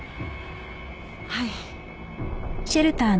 はい。